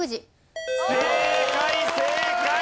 正解正解！